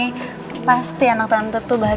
aku juga seneng banget sama tante ketemu di sini